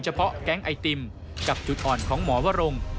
เพาะแก๊งไอติมกับจุดอ่อนของหมอวรง